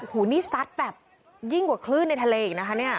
หูนี่ซัดแบบยิ่งกว่าคลื่นในทะเลอีกนะคะ